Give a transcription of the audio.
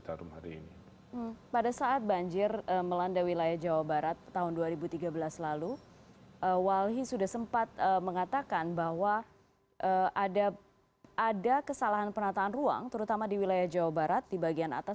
kami langsung mengonfirmasi hal ini dengan gubernur jawa barat ridwan kamil